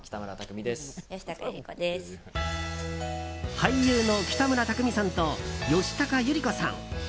俳優の北村匠海さんと吉高由里子さん。